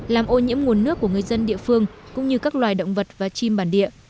làm ô nhiễm nguồn nước của người dân địa phương cũng như các loài động vật và chim bản địa